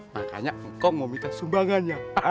makanya engkau mau minta sumbangannya